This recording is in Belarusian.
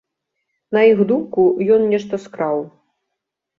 На іх думку, ён нешта скраў.